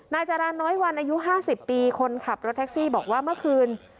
นายจาราน้อยวันอายุ๕๐ปีคนขับรถแท็กซี่บอกว่าเมื่อคืน